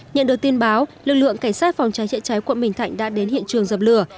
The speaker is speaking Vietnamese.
nhận được tin báo lực lượng cảnh sát phòng cháy chữa cháy quận bình thạnh đã đến hiện trường dập lửa